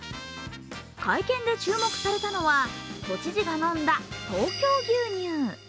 会見で注目されたのは、都知事が飲んだ東京牛乳。